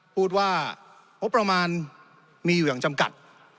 พูดว่างบประมาณมีอยู่อย่างจำกัด